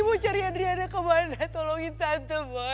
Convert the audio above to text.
mau cari adriana kemana tolongin tante boy